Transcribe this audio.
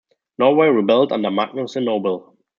Norway rebelled under Magnus the Noble.